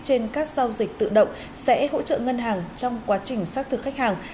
trên các giao dịch tự động sẽ hỗ trợ ngân hàng trong quá trình xác thực khách hàng